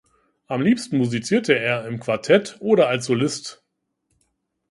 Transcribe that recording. Am liebsten musizierte er im Quartett oder als Solist.